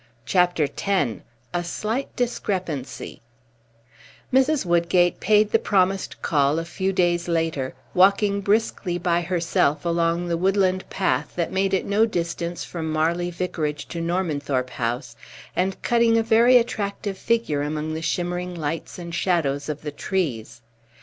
CHAPTER X A SLIGHT DISCREPANCY Mrs. Woodgate paid the promised call a few days later, walking briskly by herself along the woodland path that made it no distance from Marley Vicarage to Normanthorpe House, and cutting a very attractive figure among the shimmering lights and shadows of the trees.